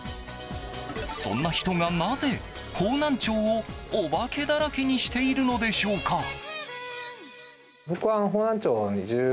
そんな人が、なぜ方南町をお化けだらけにしているのでしょうか。